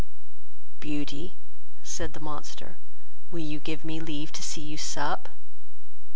"Beauty, (said the monster,) will you give me leave to see you sup?"